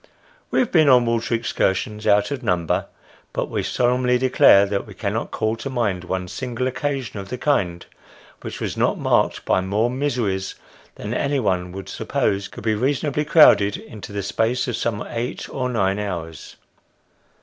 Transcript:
We have been on water ex cursions out of number, but we solemnly declare that we cannot call to mind one single occasion of the kind, which was not marked by more miseries than any one would suppose could be reasonably crowded into the space of some eight or nine hours.